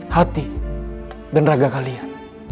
hati dan raga kalian